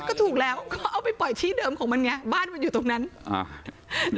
ก็ถูกแล้วก็เอาไปปล่อยที่เดิมของมันไงบ้านมันอยู่ตรงนั้นอ่า